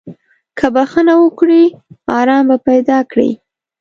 که بخښنه وکړې، ارام به پیدا کړې.